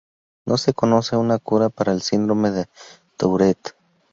No se conoce una cura para el Síndrome de Tourette.